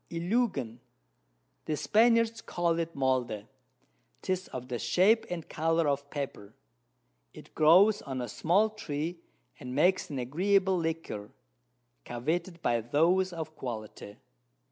Iluigan, the Spaniards call it Molde, 'tis of the Shape and Colour of Pepper: It grows on a small Tree, and makes an agreeable Liquor, coveted by those of Quality.